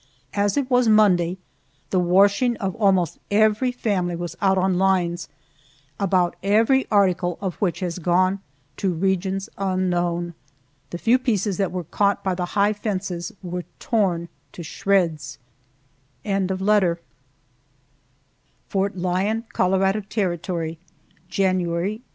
As it was Monday, the washing of almost every family was out on lines, about every article of which has gone to regions unknown. The few pieces that were Caught by the high fences were torn to shreds. FORT LYON, COLORADO TERRITORY, January, 1872.